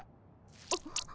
あっ。